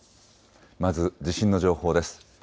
まず地震の情報です。